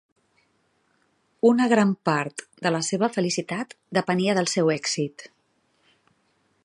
Una gran part de la seva felicitat depenia del seu èxit.